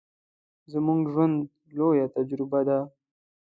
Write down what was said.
زموږ ژوند، لويه تجربه ده.